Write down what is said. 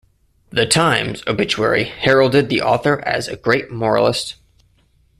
"The Times" obituary heralded the author as "a great moralist.